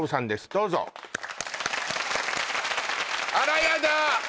どうぞあらやだ！